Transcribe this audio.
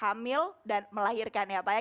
hamil dan melahirkan ya pak ya